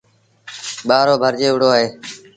ٻآرو ڀرجي وُهڙو اهي